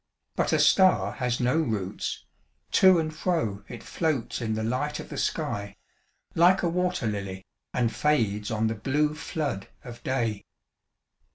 'But a star has no roots : to and fro It floats in the light of the sky, like a wat«r ]ily. And fades on the blue flood of day.